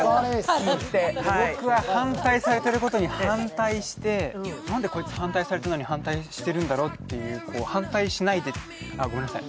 僕は反対されていることに反対して、なんでこいつ反対されてないのに反対してるんだろうって、反対しないでごめんなさい